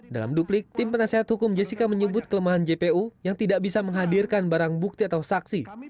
dalam duplik tim penasehat hukum jessica menyebut kelemahan jpu yang tidak bisa menghadirkan barang bukti atau saksi